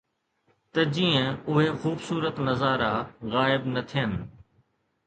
ته جيئن اهي خوبصورت نظارا غائب نه ٿين